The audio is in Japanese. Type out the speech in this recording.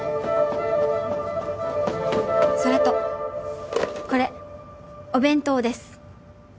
それとこれお弁当です。